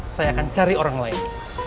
saya akan cari orang lain